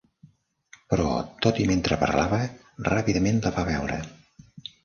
Però tot i mentre parlava, ràpidament la va veure.